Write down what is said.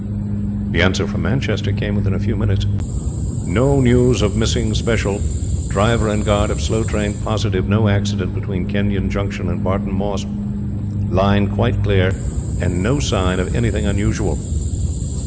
The answer from Manchester came within a few minutes. "No news of missing special. Driver and guard of slow train positive no accident between Kenyon Junction and Barton Moss. Line quite clear, and no sign of anything unusual.